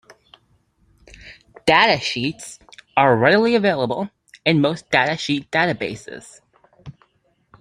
Datasheets are readily available in most datasheet databases.